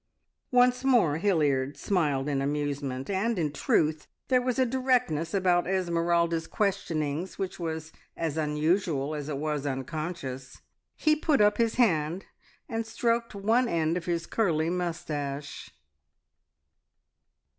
Once more Hilliard smiled in amusement, and in truth there was a directness about Esmeralda's questionings which was as unusual as it was unconscious. He put up his hand and stroked one end of his curly moustache.